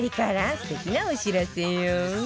素敵なお知らせよ